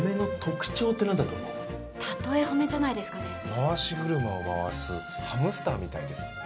回し車を回すハムスターみたいですね。